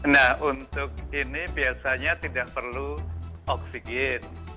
nah untuk ini biasanya tidak perlu oksigen